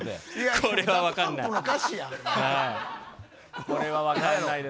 これは分からないです。